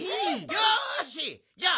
よしじゃあ